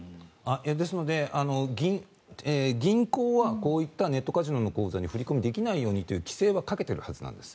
ですので、銀行はこういったネットカジノの口座に振り込みできないようにという規制はかけてるはずなんです。